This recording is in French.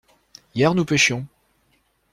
Hier nous pêchions.